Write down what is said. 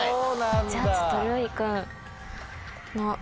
じゃあちょっと。